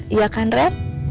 iya kan red